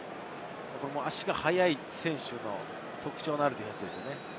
足が速い選手の特徴のあるディフェンスです。